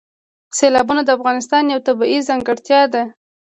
سیلابونه د افغانستان یوه طبیعي ځانګړتیا ده.